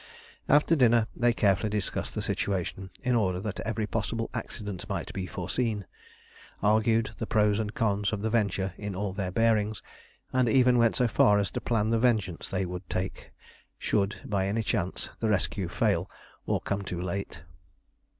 After dinner they carefully discussed the situation in order that every possible accident might be foreseen, argued the pros and cons of the venture in all their bearings, and even went so far as to plan the vengeance they would take should, by any chance, the rescue fail or come too late.